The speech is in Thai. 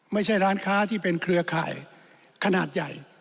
ไม่ใช่ร้านค้าที่เป็นเครือข่ายขนาดใหญ่